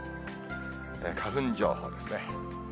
花粉情報ですね。